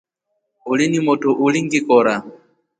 Uli ni motro ulingikora.